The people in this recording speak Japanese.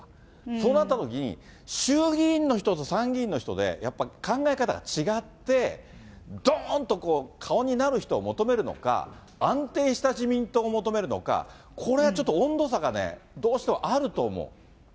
そうなったときに、衆議院の人と参議院の人で、やっぱり考え方が違って、どーんとこう、顔になる人を求めるのか、安定した自民党を求めるのか、これはちょっと温度差がね、どうしてもあると思う。